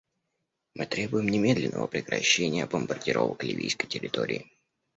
Мы требуем немедленного прекращения бомбардировок ливийской территории.